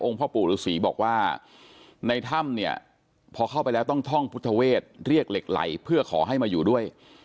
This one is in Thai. พ่อปู่ฤษีบอกว่าในถ้ำเนี่ยพอเข้าไปแล้วต้องท่องพุทธเวศเรียกเหล็กไหลเพื่อขอให้มาอยู่ด้วย